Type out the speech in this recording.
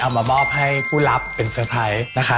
มามอบให้ผู้รับเป็นเซอร์ไพรส์นะคะ